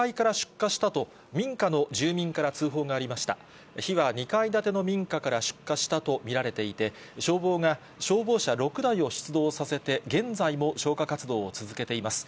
火は２階建ての民家から出火したと見られていて、消防が消防車６台を出動させて現在も消火活動を続けています。